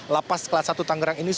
lapas kelas satu tangerang ini